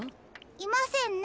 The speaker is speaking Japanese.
いませんね